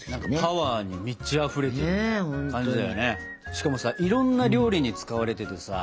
しかもさいろんな料理に使われててさ。